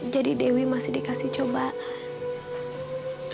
jadi dewi masih dikasih cobaan